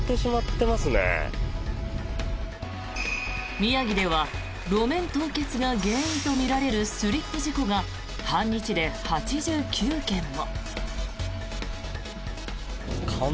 宮城では路面凍結が原因とみられるスリップ事故が半日で８９件も。